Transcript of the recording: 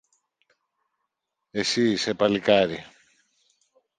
Εσύ είσαι, παλικάρι